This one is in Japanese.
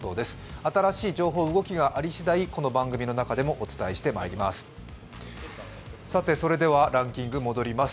新しい情報、動きがありしだいこの番組の中でもお伝えしていきます。